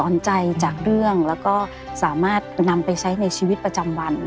แล้วก็สามารถนำไปใช้ในชีวิตประจำวัน